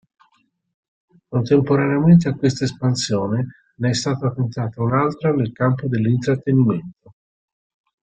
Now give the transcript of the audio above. Contemporaneamente a questa espansione ne è stata tentata un'altra nel campo dell'intrattenimento.